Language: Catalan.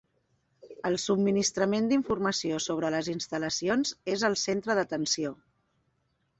El subministrament d'informació sobre les instal·lacions és el centre d'atenció.